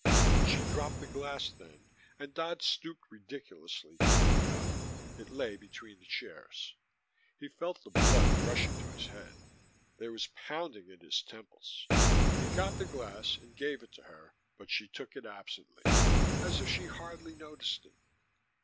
She dropped the glass then and Dodd stooped ridiculously to pick it up: it lay between their chairs. He felt the blood rushing to his head. There was pounding in his temples. He got the glass and gave it to her but she took it absently, as if she hardly noticed him.